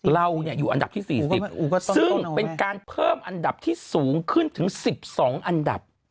เราอยู่อันดับที่๔๐ซึ่งเป็นการเพิ่มอันดับที่สูงขึ้นถึง๑๒อันดับ